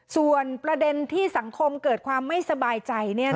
ส่วนประเด็นที่สังคมเกิดความไม่สบายใจ